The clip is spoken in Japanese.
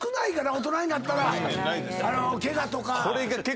大人になったらケガとか。